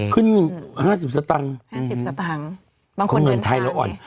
ขึ้นห้าสิบสตางค์ห้าสิบสตางค์บางคนเหมือนไทยแล้วอ่อน